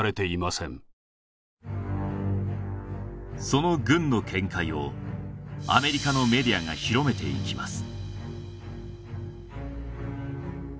その軍の見解をアメリカのメディアが広めていきます